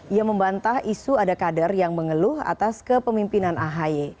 ia membantah isu ada kader yang mengeluh atas kepemimpinan ahy